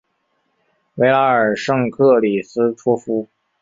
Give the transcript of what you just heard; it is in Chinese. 维拉尔圣克里斯托夫。